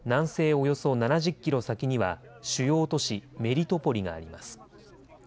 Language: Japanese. およそ７０キロ先には主要都市メリトポリがあります。